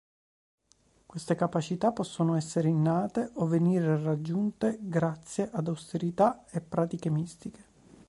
Queste capacità possono essere innate, o venire raggiunte grazie ad austerità e pratiche mistiche.